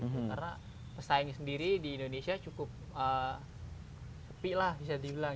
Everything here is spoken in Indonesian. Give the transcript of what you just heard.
karena pesaing sendiri di indonesia cukup sepi lah bisa dibilang